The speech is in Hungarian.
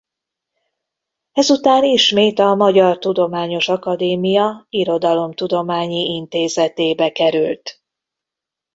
Ezután ismét a Magyar Tudományos Akadémia Irodalomtudományi Intézetébe került.